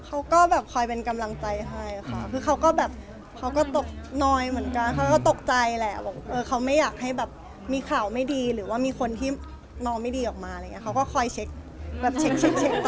เขาก็แบบคอยเป็นกำลังใจให้ค่ะคือเขาก็แบบเขาก็ตกน้อยเหมือนกันเขาก็ตกใจแหละบอกเออเขาไม่อยากให้แบบมีข่าวไม่ดีหรือว่ามีคนที่นอนไม่ดีออกมาอะไรอย่างเงี้เขาก็คอยเช็คแบบเช็ค